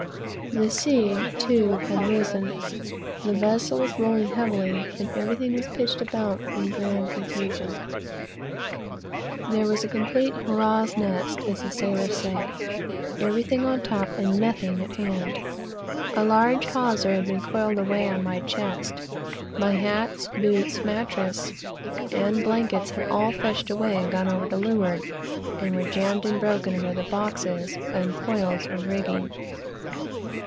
The sea, too, had risen, the vessel was rolling heavily, and everything was pitched about in grand confusion. There was a complete "hurrah's nest," as the sailors say, "everything on top and nothing at hand." A large hawser had been coiled away upon my chest; my hats, boots, mattress and blankets had all fetched away and gone over to leeward, and were jammed and broken under the boxes and coils of rigging.